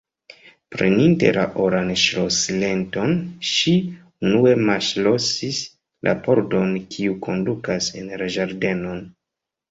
Preninte la oran ŝlosileton, ŝi unue malŝlosis la pordon kiu kondukas en la ĝardenon.